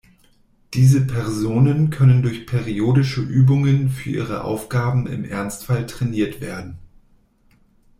Diese Personen können durch periodische Übungen für ihre Aufgaben im Ernstfall trainiert werden.